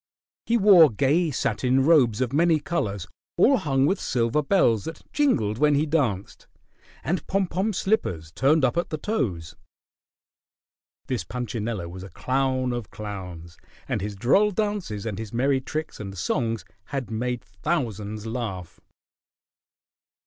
He wore gay satin robes of many colors all hung with silver bells that jingled when he danced, and pom pom slippers turned up at the toes. This Punchinello was a clown of clowns, and his droll dances and his merry tricks and songs had made thousands laugh.